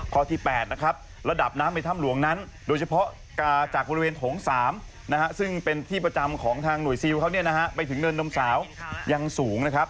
ที่๘นะครับระดับน้ำในถ้ำหลวงนั้นโดยเฉพาะจากบริเวณโถง๓ซึ่งเป็นที่ประจำของทางหน่วยซิลเขาไปถึงเนินนมสาวยังสูงนะครับ